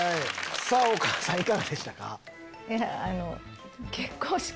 さぁお母さんいかがでしたか？